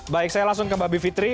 baik saya langsung ke mbak bivitri